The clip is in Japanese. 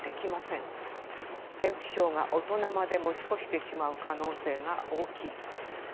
便秘症が大人まで持ち越してしまう可能性が大きい。